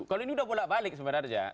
kalau ini udah bolak balik sebenarnya